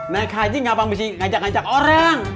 nah kaji ngapa mesti ngajak ngajak orang